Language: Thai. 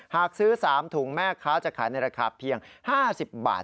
หากซื้อ๓ถุงแม่ค้าจะขายในราคาเพียง๕๐บาท